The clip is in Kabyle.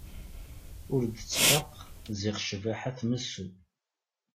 Ur d-tfaq ziɣ ccbaḥa tmessu.